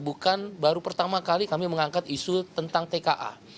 bukan baru pertama kali kami mengangkat isu tentang tka